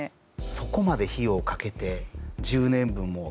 そこまで費用をかけて１０年分も。